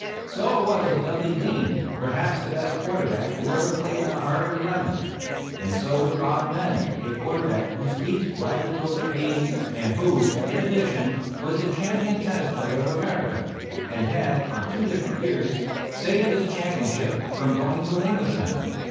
So it was with Dudley Dean, perhaps the best quarterback who ever played on a Harvard Eleven; and so with Bob Wrenn, a quarterback whose feats rivalled those of Dean's, and who, in addition, was the champion tennis player of America, and had, on two different years, saved this championship from going to an Englishman.